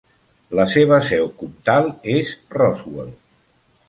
La seva seu comtal és Roswell.